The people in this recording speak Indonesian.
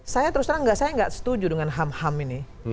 saya terus terang nggak setuju dengan ham ham ini